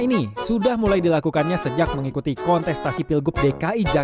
ini sudah mulai dilakukannya sejak mengikuti kontestasi pilgub dki jakarta pada dua ribu tujuh belas lalu